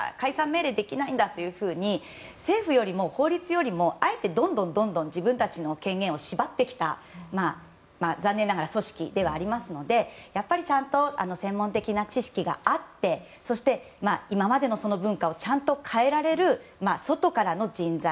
命令できないんだというふうに政府よりも法律よりもあえてどんどん自分たちの権限を縛ってきた残念ながら組織ではありますのでやっぱり、ちゃんと専門的な知識があってそして今までの文化をちゃんと変えられる外からの人材。